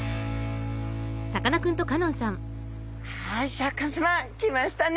シャーク香音さま来ましたね